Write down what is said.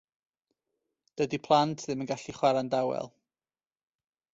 Dydi plant ddim yn gallu chwarae'n dawel.